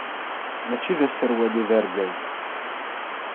Mačči d aserwal i d argaz.